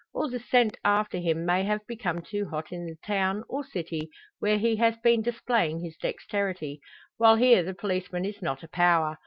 Or the scent after him may have become too hot in the town, or city, where he has been displaying his dexterity; while here the policeman is not a power.